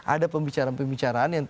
ada pembicaraan pembicaraan yang